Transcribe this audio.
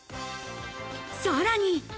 さらに。